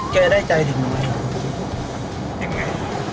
แกได้ใจถึงผมไม่